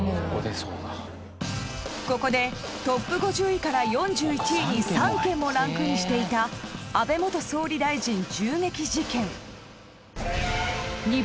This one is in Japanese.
ここでＴＯＰ５０位から４１位に３件もランクインしていた安倍総理大臣銃撃事件